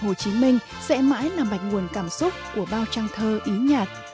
chủ tịch hồ chí minh sẽ mãi là mạch nguồn cảm xúc của bao trang thơ ý nhạc